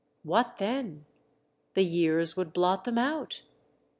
What then ? The years would blot them out.